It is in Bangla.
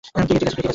তুই কি ঠিক আছিস?